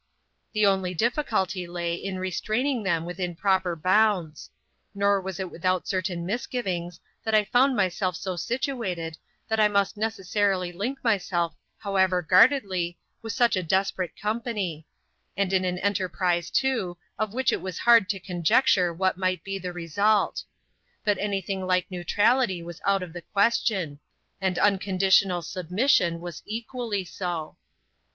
The only difficulty lay in restraining them within proper bounds. Nor was it without certain misgivings, that I found myself so situated, that I must necessarily link myself, how ever guardedly, with such a desperate company; and in an enterprise, too, of which it was hard to conjecture what might be the result. But any thing like neutrality was out of the ques tion ; and unconditional submission was equally so.